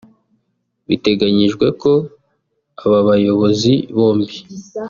Biteganyijwe ko aba bayobozi bombi